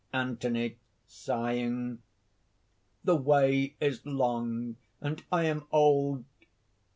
ANTHONY. "The way is long; and I am old."